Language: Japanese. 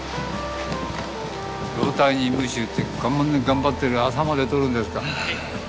老体にむち打ってこんなに頑張ってる朝まで撮るんですか？